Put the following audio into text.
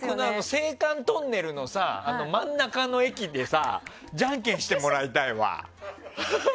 青函トンネルの真ん中の駅でじゃんけんしてもらいたいわ。